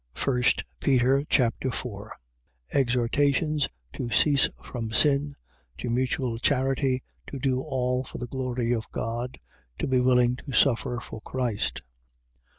1 Peter Chapter 4 Exhortations to cease from sin, to mutual charity, to do all for the glory of God, to be willing to suffer for Christ.